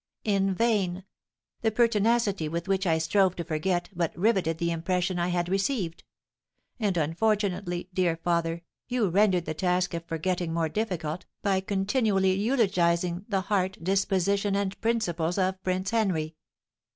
In vain! the pertinacity with which I strove to forget but riveted the impression I had received; and, unfortunately, dear father, you rendered the task of forgetting more difficult, by continually eulogising the heart, disposition, and principles of Prince Henry."